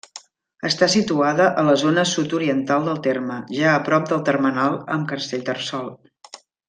Està situada a la zona sud-oriental del terme, ja a prop del termenal amb Castellterçol.